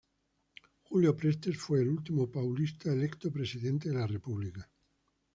Júlio Prestes fue el último paulista electo presidente de la república.